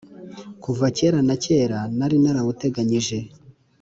ko kuva kera na kare nari narawuteganyije,